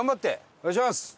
お願いします！